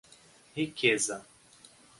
Riqueza